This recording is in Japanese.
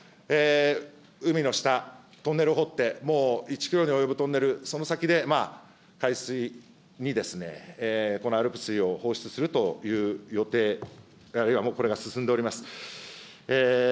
海の下、トンネルを掘って、もう１キロに及ぶトンネル、その先で海水に、このＡＬＰＳ水を放出するという予定が、これがもう進んでおります。